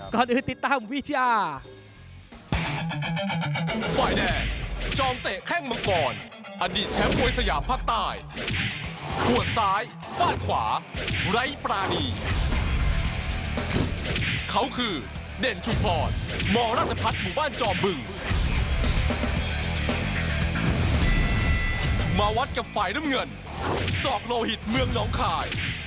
ก่อนอื่นติดตามวิทยา